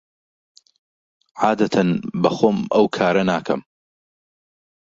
عادەتەن بەخۆم ئەو کارە ناکەم.